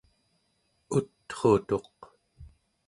ut'rutuq